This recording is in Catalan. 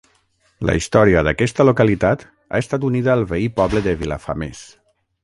La història d'aquesta localitat ha estat unida al veí poble de Vilafamés.